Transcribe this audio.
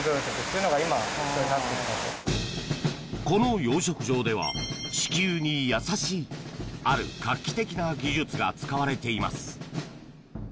この養殖場では、地球に優しいある画期的な技術が使われています。